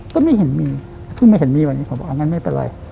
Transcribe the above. ก็ไม่เห็นมีคือไม่เห็นมีวันนี้ผมบอกเอางั้นไม่เป็นไร